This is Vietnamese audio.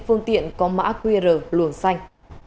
phương tiện có mã qr luồn xanh